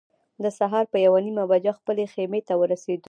د سهار په یوه نیمه بجه خپلې خیمې ته ورسېدو.